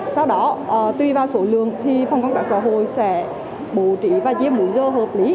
sau đó tùy vào số lượng phòng công tác xã hội sẽ bố trí và giết mũi dơ hợp lý